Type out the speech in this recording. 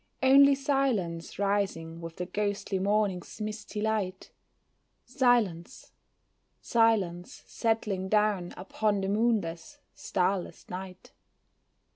Only silence rising with the ghostly morning's misty light, Silence, silence, settling down upon the moonless, starless night.